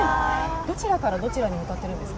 どちらからどちらに向かってるんですか？